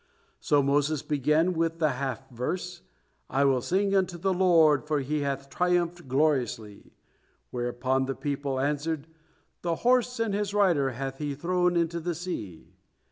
So Moses began with the half verse, "I will sing unto the Lord, for He hath triumphed gloriously," whereupon the people answered, "The horse and his rider hath He thrown into the sea."